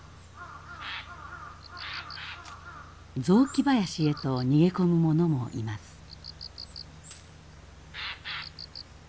雑木林へと逃げ込むものもいます。